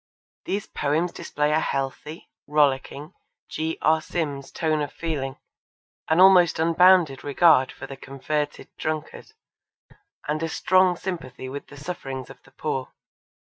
These poems display a healthy, rollicking, G. R. Sims tone of feeling, an almost unbounded regard for the converted drunkard, and a strong sympathy with the sufferings of the poor.